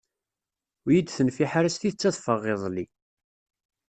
Ur yi-d-tenfiḥ ara s tidet ad ffɣeɣ iḍelli.